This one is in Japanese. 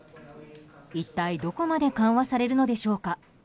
一体どこまで緩和されるのでしょうか。